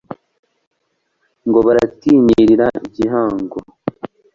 ngo baratinyirira igihango